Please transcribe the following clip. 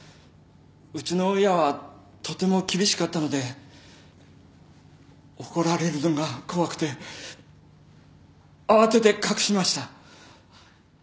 うちの親はとても厳しかったので怒られるのが怖くて慌てて隠しました。